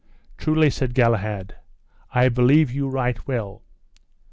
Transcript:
Truly, said Galahad, I believe you right well.